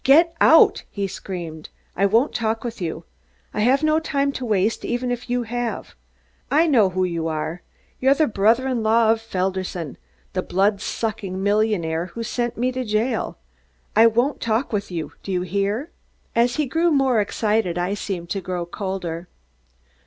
"Get out!" he screamed. "I won't talk with you. I have no time to waste, even if you have. I know who you are. You're the brother in law of Felderson, the blood sucking millionaire who sent me to jail. I won't talk with you, do you hear?" As he grew more excited I seemed to grow cooler.